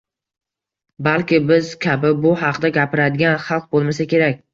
Balki biz kabi bu haqda gapiradigan xalq bo'lmasa kerak